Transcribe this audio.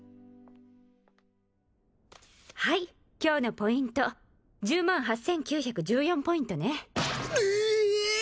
はい今日のポイント１０万８９１４ポイントねええ！